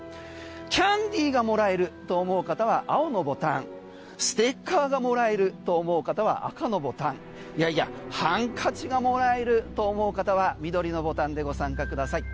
キャンディーがもらえると思う方は青のボタンステッカーがもらえると思う方は赤のボタンいやいや、ハンカチがもらえると思う方は緑のボタンでご参加ください。